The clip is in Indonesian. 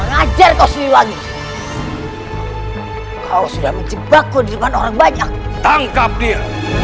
mengajar kau siliwangi kau sudah menjebakku di depan orang banyak tangkap dia